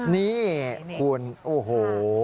นี่คุณโอ้โห